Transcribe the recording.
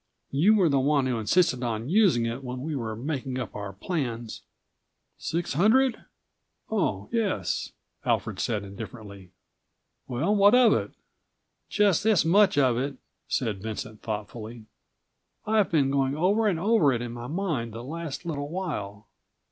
"You were the one who insisted on using it when we were making up our plans." "Six hundred? Oh, yes," Alfred said indifferently. "Well, what of it?" "Just this much of it," said Vincent thoughtfully.156 "I've been going over and over it in my mind the last little while.